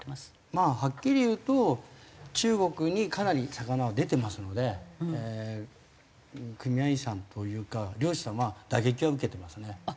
まあはっきり言うと中国にかなり魚は出てますので組合員さんというか漁師さんは打撃は受けてますね。